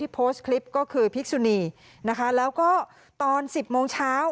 โพสต์คลิปก็คือพิกษุนีนะคะแล้วก็ตอน๑๐โมงเช้า